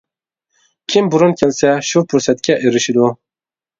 كىم بۇرۇن كەلسە، شۇ پۇرسەتكە ئېرىشىدۇ.